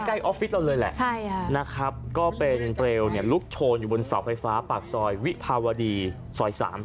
ออฟฟิศเราเลยแหละนะครับก็เป็นเปลวเนี่ยลุกโชนอยู่บนเสาไฟฟ้าปากซอยวิภาวดีซอย๓